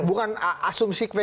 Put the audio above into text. bukan asumsi pkpusd